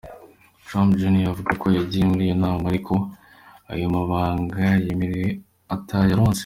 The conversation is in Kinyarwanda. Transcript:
Trump Jr avuga ko yagiye muri iyo nama, ariko ko ayo mabanga yemerewe atayaronse.